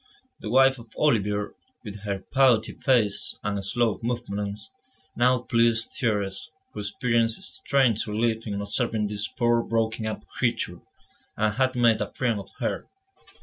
The wife of Olivier, with her putty face and slow movements, now pleased Thérèse, who experienced strange relief in observing this poor, broken up creature, and had made a friend of her.